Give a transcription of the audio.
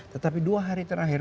tetapi dua hari terakhir